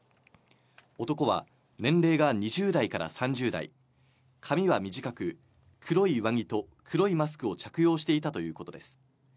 男は年齢が２０代から３０代、髪は短く、黒い上着と黒いマスクを着用していたということです。